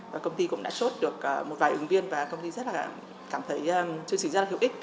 và công ty cũng đã chốt được một vài ứng viên và công ty rất là cảm thấy chương trình rất là hữu ích